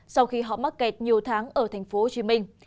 sau khi họ mắc kẹt nhiều tháng ở thành phố hồ chí minh